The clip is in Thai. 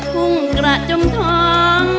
พุ่งกระจมทอง